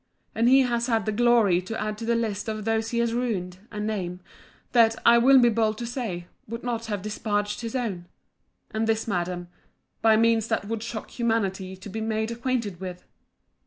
And he has had the glory to add to the list of those he has ruined, a name, that, I will be bold to say, would not have disparaged his own. And this, Madam, by means that would shock humanity to be made acquainted with.